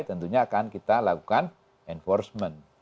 tentunya akan kita lakukan enforcement